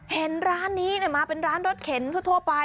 เห็นร้านนี้มาเป็นร้านรถเข็นทั่วไป